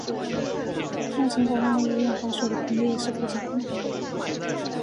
要减少他游泳划水的频率也是非常困难的。